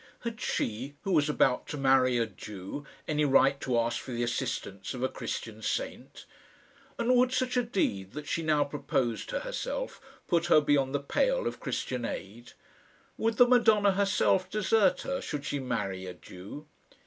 Had she, who was about to marry a Jew, any right to ask for the assistance of a Christian saint? And would such a deed that she now proposed to herself put her beyond the pale of Christian aid? Would the Madonna herself desert her should she marry a Jew?